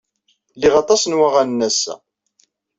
Liɣ aṭas n waɣanen ass-a.